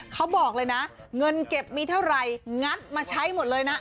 เขาบอกเลยนะเงินเก็บมีเท่าไหร่งัดมาใช้หมดเลยนะ